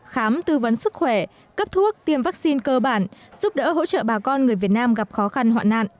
khám tư vấn sức khỏe cấp thuốc tiêm vaccine cơ bản giúp đỡ hỗ trợ bà con người việt nam gặp khó khăn hoạn nạn